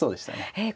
ええ。